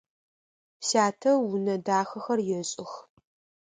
Сятэ унэ дахэхэр ешӏых.